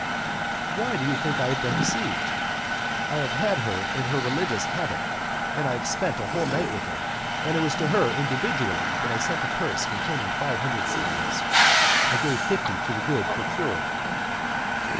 "Why do you think I have been deceived? I have had her here in her religious habit, and I have spent a whole night with her; and it was to her individually that I sent a purse containing five hundred sequins. I gave fifty to the good procurer."